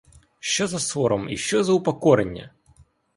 Що за сором і що за упокорення!